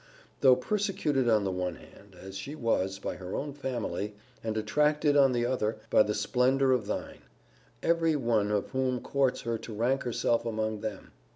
Though persecuted on the one hand, as she was, by her own family, and attracted, on the other, by the splendour of thine; every one of whom courts her to rank herself among them!